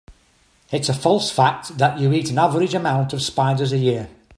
It's a false fact that you eat an average amount of spiders a year.